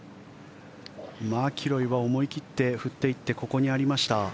マキロイは思い切って振っていってここにありました。